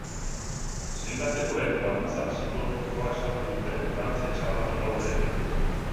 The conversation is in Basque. Senitartekoek laguntza psikologikoa eskatu dute trantze txarrari aurre egiteko.